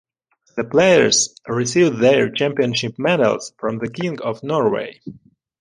The players received their championship medals from the King of Norway.